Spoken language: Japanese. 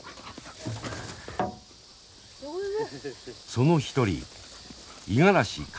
その一人五十嵐千人さん。